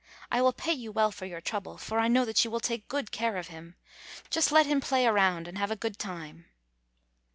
I will pay you well for your trouble, for I know that you will take good care of him. Just let him play around and have a good time.